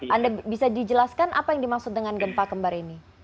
anda bisa dijelaskan apa yang dimaksud dengan gempa kembar ini